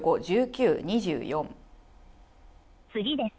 次です。